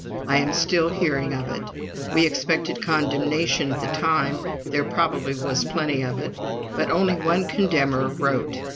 I am still hearing of it. We expected condemnation at the time. There probably was plenty of it, but only one condemner wrote.